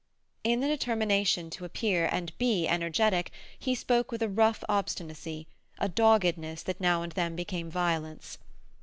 In the determination to appear, and be, energetic, he spoke with a rough obstinacy, a doggedness that now and then became violence.